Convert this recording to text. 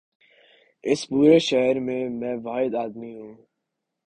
اس پورے شہر میں، میں واحد آدمی ہوں۔